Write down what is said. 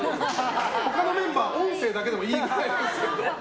他のメンバー音声だけでもいいぐらいですよ。